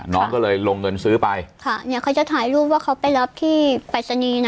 น้องก็เลยลงเงินซื้อไปค่ะเนี่ยเขาจะถ่ายรูปว่าเขาไปรับที่ปรัชนี